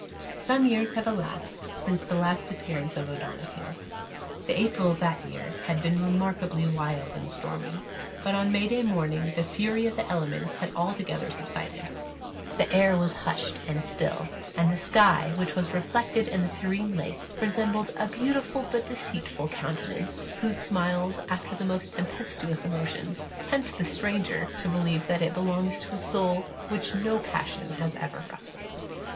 Some years have elapsed since the last appearance of O'Donoghue. The April of that year had been remarkably wild and stormy; but on May morning the fury of the elements had altogether subsided. The air was hushed and still; and the sky, which was reflected in the serene lake, resembled a beautiful but deceitful countenance, whose smiles, after the most tempestuous emotions, tempt the stranger to believe that it belongs to a soul which no passion has ever ruffled.